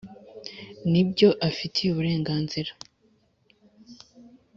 N ibyo afitiye uburenganzira